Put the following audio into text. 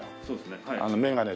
そうですねはい。